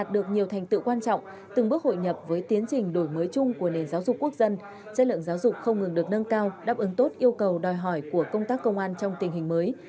được nhiều thành tựu quan trọng từng bước hội nhập với tiến trình đổi mới chung của nền giáo dục quốc dân chất lượng giáo dục không ngừng được nâng cao đáp ứng tốt yêu cầu đòi hỏi của công tác công an trong tình hình mới